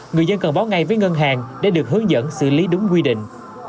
người dân cần báo ngay với ngân hàng để được hướng dẫn xử lý đúng quy định